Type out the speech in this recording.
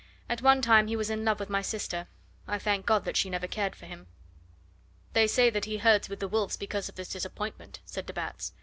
"At one time he was in love with my sister. I thank God that she never cared for him." "They say that he herds with the wolves because of this disappointment," said de Batz.